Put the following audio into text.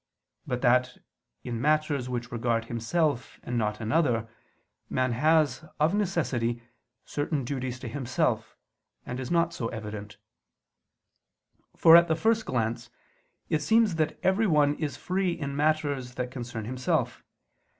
But that, in matters which regard himself and not another, man has, of necessity, certain duties to himself, is not so evident: for, at the first glance, it seems that everyone is free in matters that concern himself.